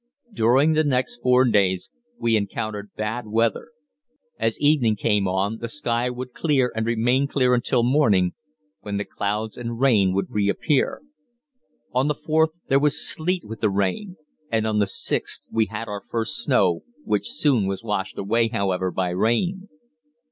During the next four days we encountered bad weather. As evening came on the sky would clear and remain clear until morning, when the clouds and rain would reappear. On the 4th there was sleet with the rain, and on the 6th we had our first snow, which soon was washed away, however, by rain.